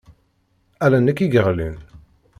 Ala nekk i yeɣlin.